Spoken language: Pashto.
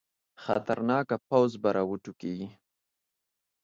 خطرناکه پوځ به راوټوکېږي.